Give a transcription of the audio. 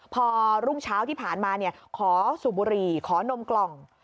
พอรุ่งเช้าที่ผ่านมาขอสูบบุหรี่ขอนมกล่อง